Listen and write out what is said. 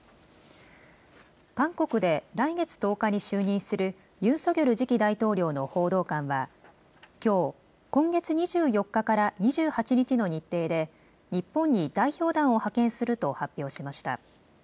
韓国で来月１０日に就任するユン・ソギョル次期大統領の報道官はきょう、今月２４日から２８日の日程で日本に代表団を派遣すると発表しました。